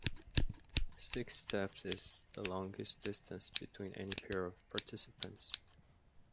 Six steps is the longest distance between any pair of participants.